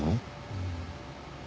うん。